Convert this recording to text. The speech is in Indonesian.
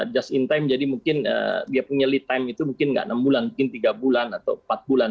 just in time jadi mungkin dia punya lead time itu mungkin nggak enam bulan mungkin tiga bulan atau empat bulan